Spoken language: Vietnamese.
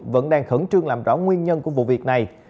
vẫn đang khẩn trương làm rõ nguyên nhân của vụ việc này